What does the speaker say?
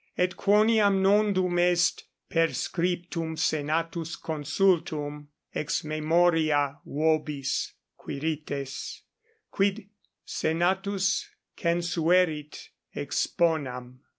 Et quoniam nondum est perscriptum senatus consultum, ex memoria vobis, Quirites, quid senatus censuerit exponam.